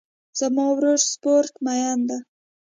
زما ورور سپورټ مین ده